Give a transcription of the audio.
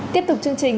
tiếp tục chương trình